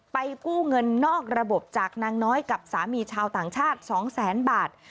กู้เงินนอกระบบจากนางน้อยกับสามีชาวต่างชาติ๒แสนบาท